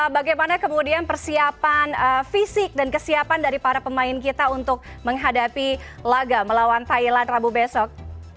bagaimana kemudian persiapan fisik dan kesiapan dari para pemain kita untuk menghadapi laga melawan thailand rabu besok